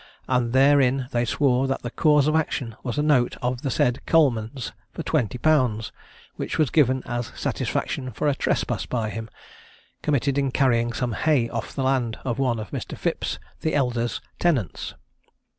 _ and therein they swore that the cause of action was a note of the said Coleman's for twenty pounds, which was given as satisfaction for a trespass by him committed in carrying some hay off the land of one of Mr. Phipps the elder's tenants.